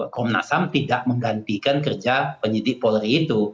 komnas ham tidak menggantikan kerja penyidik polri itu